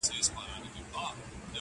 قاضي صاحبه ملامت نه یم بچي وږي وه~